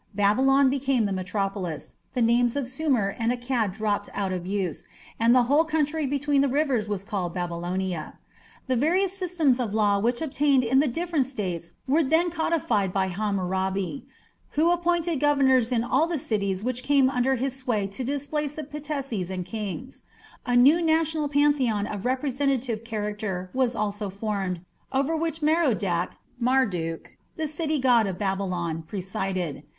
Babylon became the metropolis, the names of Sumer and Akkad dropped out of use, and the whole country between the rivers was called Babylonia. The various systems of law which obtained in the different states were then codified by Hammurabi, who appointed governors in all the cities which came under his sway to displace the patesis and kings. A new national pantheon of representative character was also formed, over which Merodach (Marduk), the city god of Babylon, presided.